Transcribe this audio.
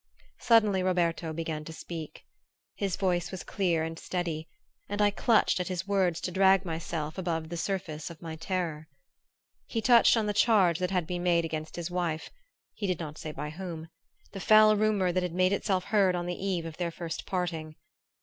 Suddenly Roberto began to speak. His voice was clear and steady, and I clutched at his words to drag myself above the surface of my terror. He touched on the charge that had been made against his wife he did not say by whom the foul rumor that had made itself heard on the eve of their first parting.